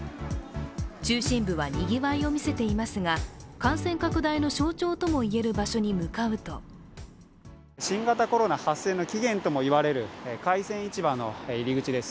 中心部はにぎわいを見せていますが感染拡大の象徴ともいえる場所に向かうと新型コロナ発生の起源ともいわれる、海鮮市場の入り口です。